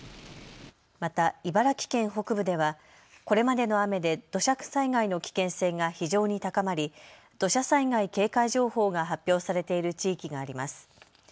また茨城県北部ではこれまでの雨で土砂災害の危険性が非常に高まり土砂災害警戒情報が発表されている地域があります。